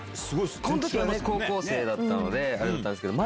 この時は高校生だったのであれだったんですけど。